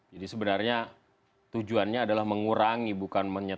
jadi sebenarnya tujuannya adalah mengurangi bukan menyelam